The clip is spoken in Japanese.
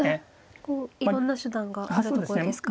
いろんな手段があるところですか。